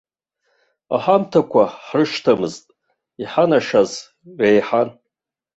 Аҳамҭақәа ҳрышьҭамызт, иҳанашьаз реиҳан.